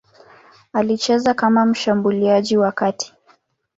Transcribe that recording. Alicheza kama mshambuliaji wa kati.